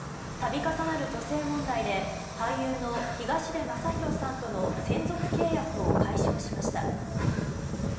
度重なる女性問題で俳優の東出昌大さんとの専属契約を解消しました。